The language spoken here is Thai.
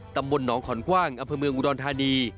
ตำบลหนองขอนกว้างอำเภอเมืองอุดรธานี